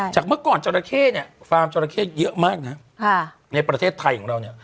จากเมื่อก่อนฟาร์มจอละเข้เยอะมากนะในประเทศไทยของเรา